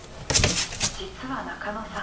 実は中野さん